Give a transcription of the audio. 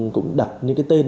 cũng đặt những cái tên